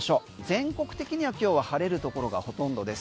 全国的には今日は晴れるところがほとんどです。